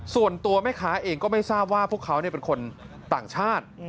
ส่วนตัวแม่ค้าเองก็ไม่ทราบว่าพวกเขาเป็นคนต่างชาติ